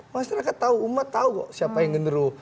masyarakat tahu umat tahu kok siapa yang genderu